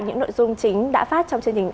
những nội dung chính đã phát trong chương trình